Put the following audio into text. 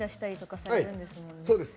そうです。